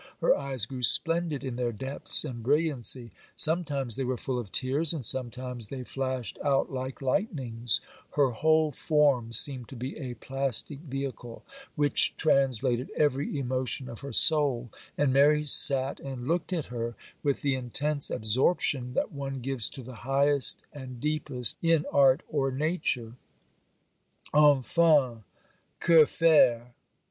Her eyes grew splendid in their depths and brilliancy; sometimes they were full of tears, and sometimes they flashed out like lightnings; her whole form seemed to be a plastic vehicle which translated every emotion of her soul; and Mary sat and looked at her with the intense absorption that one gives to the highest and deepest in art or nature. '_Enfin—que faire?